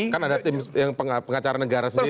kan ada tim yang pengacara negara sendiri